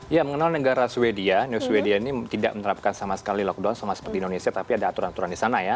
ya mengenal negara sweden new sweden ini tidak menerapkan sama sekali lockdown sama seperti indonesia tapi ada aturan aturan di sana ya